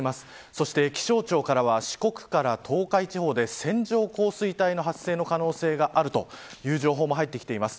そして気象庁からは四国から東海地方で線状降水帯の発生の可能性があるという情報も入ってきています。